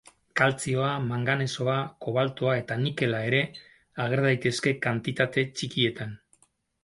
Kaltzioa, manganesoa, kobaltoa eta nikela ere ager daitezke kantitate txikietan.